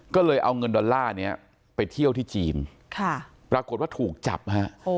ก็เลยเอาเงินดอลลาร์เนี่ยไปเที่ยวที่จีนปรากฏว่าถูกจับฮะ